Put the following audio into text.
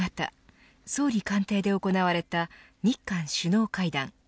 今日夕方、総理官邸で行われた日韓首脳会談。